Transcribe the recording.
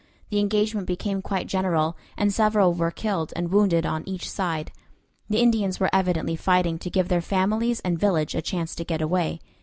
The engagement became quite general, and several were killed and wounded on each side. The Indians were evidently fighting to give their families and village a chance to get away.